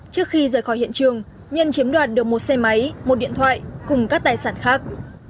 trước khi rời khỏi hiện trường nhân chiếm đoạt được một xe máy một điện thoại cùng các tài sản khác